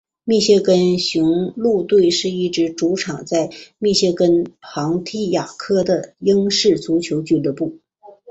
密歇根雄鹿队是一支主场在密歇根庞蒂亚克的英式足球俱乐部。